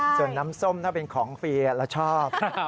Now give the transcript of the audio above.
ส่วนน้ำส้มถ้าเป็นของฟรีเราชอบ